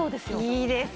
いいです。